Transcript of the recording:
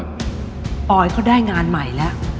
ปอยเขาได้งานใหม่แล้ว